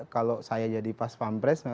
kalau saya jadi pas pampres